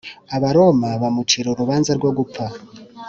abaroma bamucira urubanza rwo gupfa